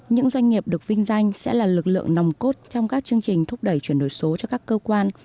những doanh nghiệp được vinh danh sẽ là lực lượng nòng cốt trong các chương trình thúc đẩy chuyển đổi số cho các cơ quan